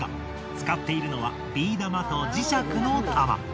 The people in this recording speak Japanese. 使っているのはビー玉と磁石の玉。